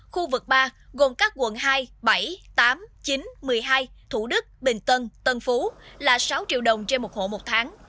khu vực ba gồm các quận hai bảy tám chín một mươi hai thủ đức bình tân tân phú là sáu triệu đồng trên một hộ một tháng